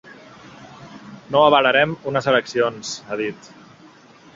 No avalarem unes eleccions, ha dit.